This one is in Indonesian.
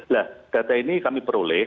nah data ini kami peroleh